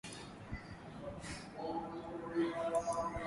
Hifadhi hiyo ina ukubwa wa kilometa za mraba mia moja thelathini na saba